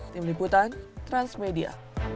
tim liputan transmedia